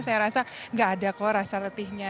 saya rasa nggak ada kok rasa letihnya